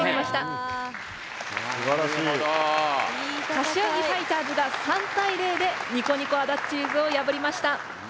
柏木ファイターズが３対０でニコニコあだっちーずをやぶりました。